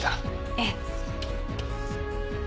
ええ。